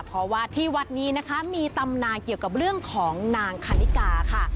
เพราะว่าที่วัดนี้นะคะมีตำนานเกี่ยวกับเรื่องของนางคานิกาค่ะ